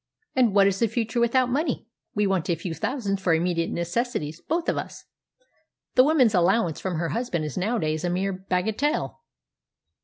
"And what is the future without money? We want a few thousands for immediate necessities, both of us. The woman's allowance from her husband is nowadays a mere bagatelle."